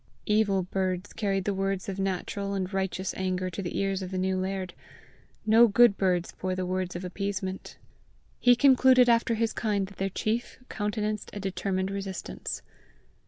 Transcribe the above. Evil birds carried the words of natural and righteous anger to the ears of the new laird; no good birds bore the words of appeasement: he concluded after his kind that their chief countenanced a determined resistance.